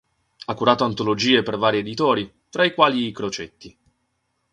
Ha curato antologie per vari editori, tra i quali Crocetti.